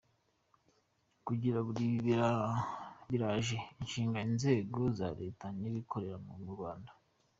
Kugera kuri ibi biraje ishinga inzego za Leta n’abikorera mu Rwanda.